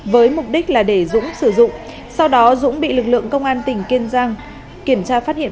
với mục đích là để dũng sử dụng sau đó dũng bị lực lượng công an tỉnh kiên giang kiểm tra phát hiện